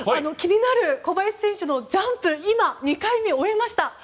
気になる小林選手のジャンプ今、２回目終えました。